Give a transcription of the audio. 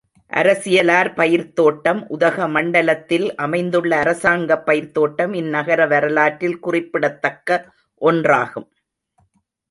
அரசியலார் பயிர்த் தோட்டம் உதகமண்டலத்தில் அமைந்துள்ள அரசாங்கப் பயிர்த் தோட்டம், இந் நகர வரலாற்றில் குறிப்பிடத்தக்க ஒன்றாகும்.